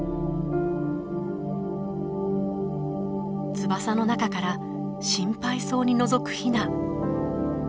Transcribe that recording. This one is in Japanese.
翼の中から心配そうにのぞくヒナ。